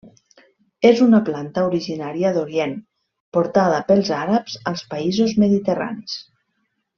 És una planta originària d'Orient, portada pels àrabs als països mediterranis.